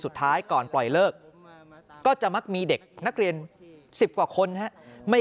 สุดท้ายก่อนปล่อยเลิกก็จะมักมีเด็กนักเรียน๑๐กว่าคนครับ